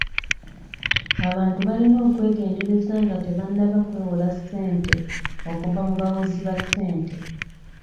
Abantu balina okwegendereza nga tebannaba kwewola ssente okuva mu bawozi ba ssente.